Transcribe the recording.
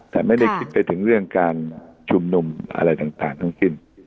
แต่ไม่ได้คิดไปถึงเรื่องการชุมนุมอะไรต่างทั้งสิ้น